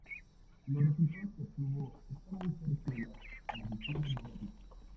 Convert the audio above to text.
Los resultados que obtuvo están muy cerca de las mediciones modernas.